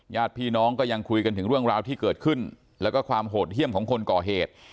ญาติพี่น้องก็ยังคุยกันถึงเรื่องราวที่เกิดขึ้นแล้วก็ความโหดเยี่ยมของคนก่อเหตุ